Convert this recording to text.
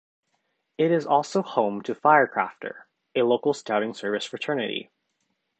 It is also home to Firecrafter, a local Scouting service fraternity.